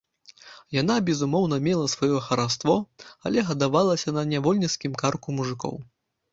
Яна, безумоўна, мела сваё хараство, але гадавалася на нявольніцкім карку мужыкоў.